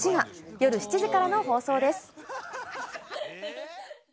夜７時からの放送です。